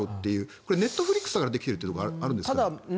これはネットフリックスだからできているところはあるんですかね？